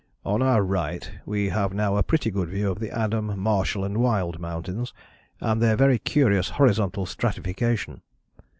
"On our right we have now a pretty good view of the Adam, Marshall and Wild Mountains, and their very curious horizontal stratification.